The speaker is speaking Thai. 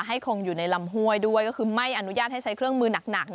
คงอยู่ในลำห้วยด้วยก็คือไม่อนุญาตให้ใช้เครื่องมือหนัก